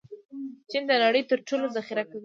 چین د نړۍ تر ټولو ډېر ذخیره کوي.